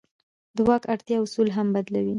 د واک اړتیا اصول هم بدلوي.